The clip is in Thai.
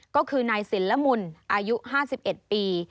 ก็คือนายศิลมุนอายุ๕๑ปี